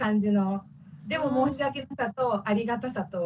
でも申し訳なさとありがたさと。